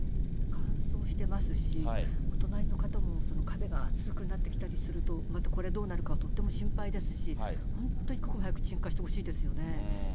乾燥してますし、お隣の方も壁が熱くなってきたりすると、またこれどうなるか、とっても心配ですし、本当に一刻も早く鎮火してほしいですよね。